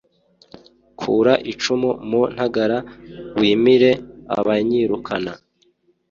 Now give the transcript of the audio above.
kura icumu mu ntagara, wimire abanyirukana